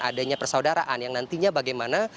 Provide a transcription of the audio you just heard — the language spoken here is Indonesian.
adanya persaudaraan yang nantinya bagaimana